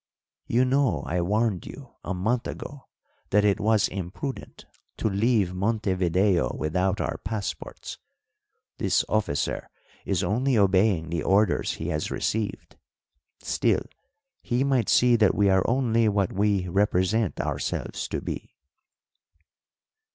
"You know I warned you a month ago that it was imprudent to leave Montevideo without our passports. This officer is only obeying the orders he has received; still, he might see that we are only what we represent ourselves to be."